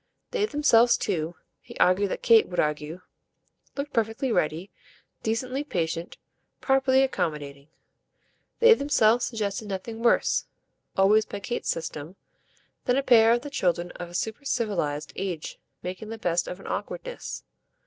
They themselves too he argued that Kate would argue looked perfectly ready, decently patient, properly accommodating. They themselves suggested nothing worse always by Kate's system than a pair of the children of a supercivilised age making the best of an awkwardness.